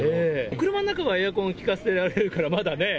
車の中はエアコン利かせられるから、まだね？